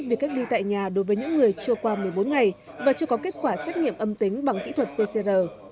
việc cách ly tại nhà đối với những người chưa qua một mươi bốn ngày và chưa có kết quả xét nghiệm âm tính bằng kỹ thuật pcr